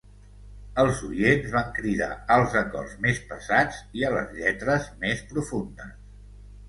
Els oients van cridar als acords més pesats i a les lletres més profundes.